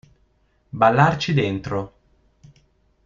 Ballarci dentro.